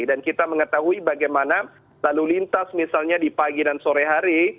dan kita mengetahui bagaimana lalu lintas misalnya di pagi dan sore hari